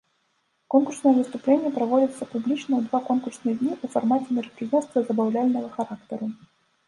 Конкурсныя выступленні праводзяцца публічна ў два конкурсныя дні ў фармаце мерапрыемства забаўляльнага характару.